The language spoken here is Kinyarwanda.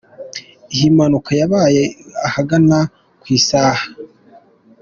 Iyi mpanuka yabaye ahagana ku isaha.